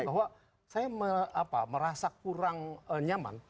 bahwa saya merasa kurang nyaman